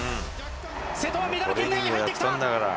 瀬戸はメダル圏内に入ってきた。